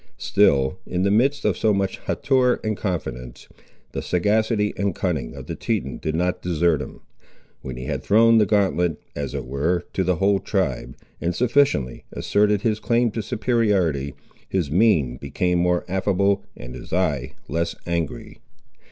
Still, in the midst of so much hauteur and confidence, the sagacity and cunning of the Teton did not desert him. When he had thrown the gauntlet, as it were, to the whole tribe, and sufficiently asserted his claim to superiority, his mien became more affable and his eye less angry.